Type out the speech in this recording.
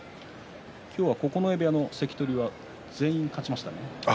今日は九重部屋の関取は全員勝ちましたね。